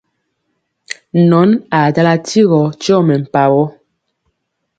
Nɔn ajala tigɔ tyɔ mɛmpawɔ.